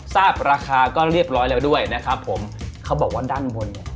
ทราบราคาก็เรียบร้อยแล้วด้วยนะครับผมเขาบอกว่าด้านบนเนี่ย